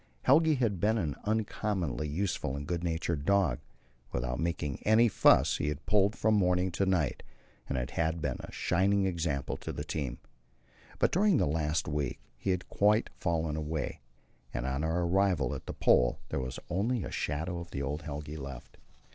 Helge had been an uncommonly useful and good natured dog; without making any fuss he had pulled from morning to night, and had been a shining example to the team. But during the last week he had quite fallen away, and on our arrival at the Pole there was only a shadow of the old Helge left.